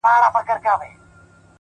د يوسفي حُسن شروع ته سرگردانه وو؛